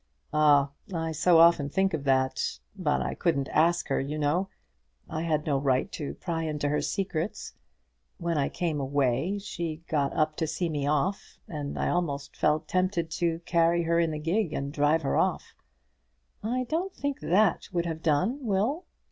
"Ah! I so often think of that. But I couldn't ask her, you know. I had no right to pry into her secrets. When I came away, she got up to see me off; and I almost felt tempted to carry her into the gig and drive her off." "I don't think that would have done, Will."